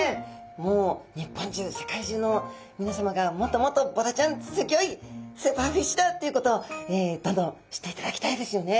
もう日本中世界中のみなさまがもっともっとボラちゃんすギョいスーパーフィッシュだっていうことをどんどん知っていただきたいですよね。